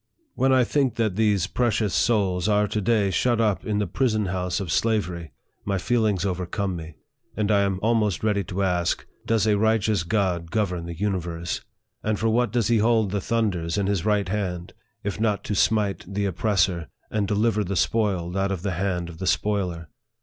When I think that these precious souls 6 82 NARRATIVE OF THE are to day shut up in the prison house of slavery, ray feelings overcome me, and I am almost ready to ask, " Does a righteous God govern the universe ? and for what does he hold the thunders in his right hand, if not to smite the oppressor, and deliver the spoiled out of the hand of the spoiler